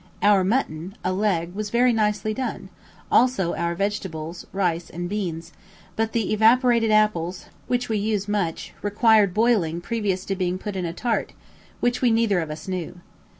Our mutton, a leg, was very nicely done, also our vegetables, rice, and beans; but the "evaporated" apples, which we use much, required boiling previous to being put in a tart, which we neither of us knew.